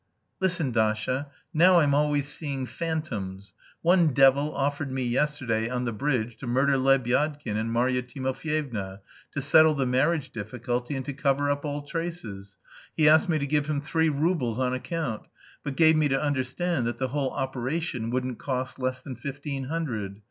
"Listen, Dasha, now I'm always seeing phantoms. One devil offered me yesterday, on the bridge, to murder Lebyadkin and Marya Timofyevna, to settle the marriage difficulty, and to cover up all traces. He asked me to give him three roubles on account, but gave me to understand that the whole operation wouldn't cost less than fifteen hundred.